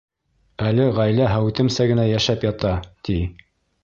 Әле ғаилә һәүетемсә генә йәшәп ята, ти.